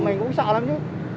mình cũng sợ lắm chứ